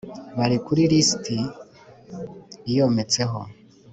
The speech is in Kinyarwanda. Bari kuri lisiti iyometseho